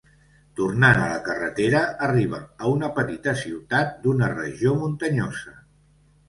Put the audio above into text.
Tornant a la carretera, arriba a una petita ciutat d'una regió muntanyosa.